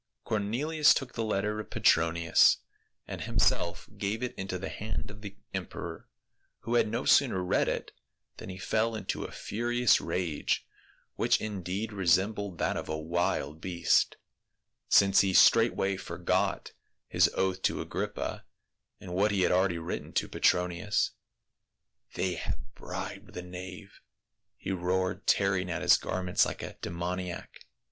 Cornelius took the letter of Petronius, and himself gave it into the hand of the emperor, who had no sooner read it, than he fell into a furious rage, which indeed resembled that of a w^ild beast, since he straightway forgot his 190 PA UL. oath to Agrippa and what he had already written to Petronius. " They have bribed the knave !" he roared, tearing at his garments Hke a demoniac.